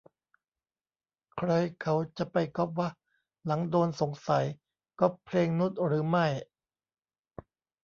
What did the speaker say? ใครเขาจะไปก๊อปวะ หลังโดนสงสัย ก๊อปเพลงนุชหรือไม่